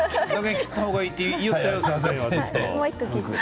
切った方がいいって先生、言ったよ。